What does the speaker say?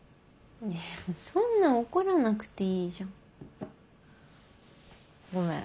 そんな怒らなくていいじゃん。ごめん。